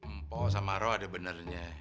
mpoh sama rob ada benernya